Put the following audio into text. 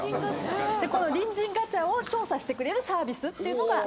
この隣人ガチャを調査してくれるサービスっていうのがあるんです。